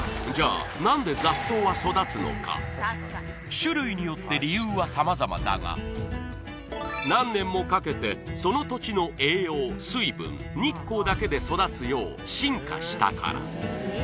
種類によって理由はさまざまだが何年もかけてその土地の栄養、水分、日光だけで育つよう進化したから。